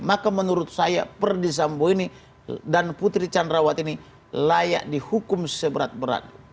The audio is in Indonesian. maka menurut saya perdisambo ini dan putri candrawati ini layak dihukum seberat berat